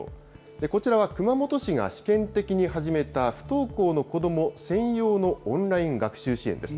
こちらは熊本市が試験的に始めた不登校の子ども専用のオンライン学習支援です。